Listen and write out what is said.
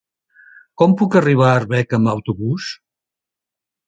Com puc arribar a Arbeca amb autobús?